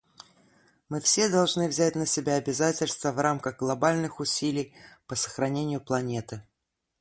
Мы все должны взять на себя обязательства в рамках глобальных усилий по сохранению планеты.